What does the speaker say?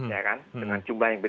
ya kan dengan jumlah yang berbeda